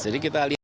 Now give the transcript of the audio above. jadi kita lihat